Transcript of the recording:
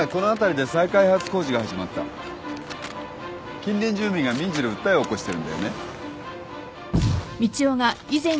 近隣住民が民事で訴えを起こしてるんだよね？